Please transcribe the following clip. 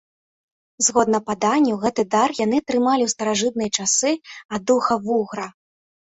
Згодна паданню, гэты дар яны атрымалі ў старажытныя часы ад духа-вугра.